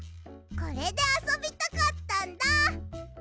これであそびたかったんだ！